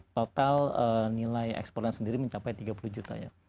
total nilai ekspornya sendiri mencapai tiga puluh juta ya